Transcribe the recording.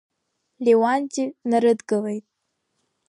Леуанти днарыдгылеит.